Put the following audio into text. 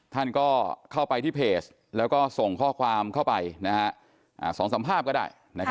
ท่านก็เข้าไปที่เพจแล้วก็ส่งข้อความเข้าไป๒๓ภาพก็ได้